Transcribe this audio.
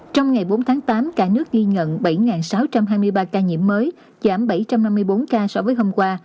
trong ngày bốn tháng tám cả nước ghi nhận bảy sáu trăm hai mươi ba ca nhiễm mới giảm bảy trăm năm mươi bốn ca so với hôm qua